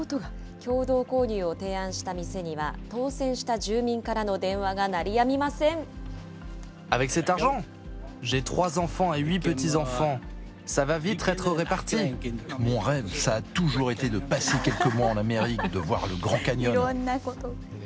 共同購入を提案した店には、当せんした住民からの電話が鳴りいろんなこと。